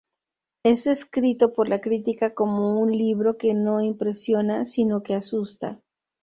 Es descrito por la crítica como un libro que no impresiona sino que asusta.